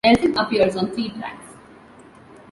Nelson appears on three tracks.